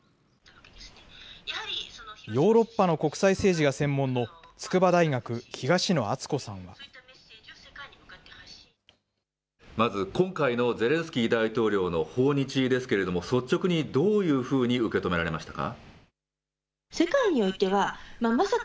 ヨーロッパの国際政治が専門の筑波大学、まず、今回のゼレンスキー大統領の訪日ですけれども、率直にどういうふうに受け止められましたか。